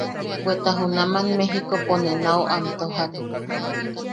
Bweta junaman Mejikopo ne nau am tojak.